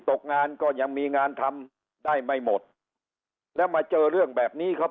ตกงานก็ยังมีงานทำได้ไม่หมดแล้วมาเจอเรื่องแบบนี้ครับ